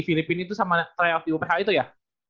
filipina itu sama try out di uph itu ya